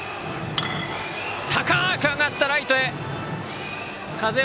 高く上がった、ライトへ。